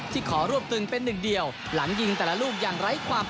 ขอรวบตึงเป็นหนึ่งเดียวหลังยิงแต่ละลูกอย่างไร้ความ